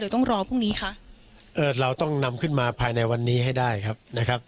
ต้องรอพรุ่งนี้คะเอ่อเราต้องนำขึ้นมาภายในวันนี้ให้ได้ครับนะครับ